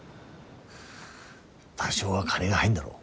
多少は金が入んだろう